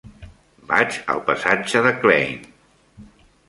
Vaig al passatge de Klein.